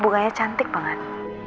bunganya cantik banget